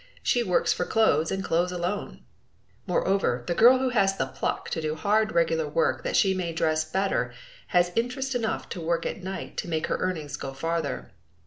She works for clothes, and clothes alone. Moreover, the girl who has the pluck to do hard regular work that she may dress better has interest enough to work at night to make her earnings go farther.